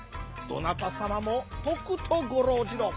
どなたさまもとくとごろうじろ。